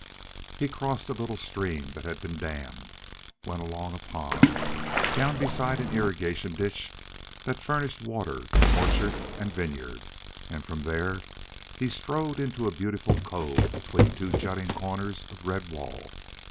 He crossed a little stream that had been dammed, went along a pond, down beside an irrigation ditch that furnished water to orchard and vineyard, and from there he strode into a beautiful cove between two jutting corners of red wall.